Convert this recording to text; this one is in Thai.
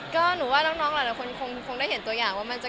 ก็หนูว่าน้องหลายคนคงได้เห็นตัวอย่างว่ามันจะ